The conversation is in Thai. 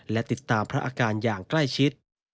และติดตามพระอาการอย่างใกล้ชิด